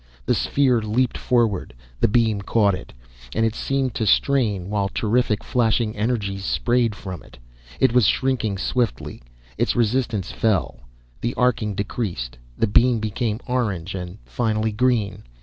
The sphere leaped forward the beam caught it, and it seemed to strain, while terrific flashing energies sprayed from it. It was shrinking swiftly. Its resistance fell, the arcing decreased; the beam became orange and finally green.